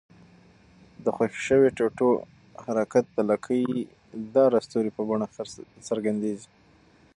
د خوشي شوي ټوټو حرکت د لکۍ داره ستوري په بڼه څرګندیږي.